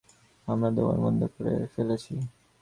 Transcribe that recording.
আমরা দোকান বন্ধ করে ফেলেছি।